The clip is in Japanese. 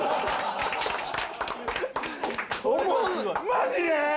マジで！？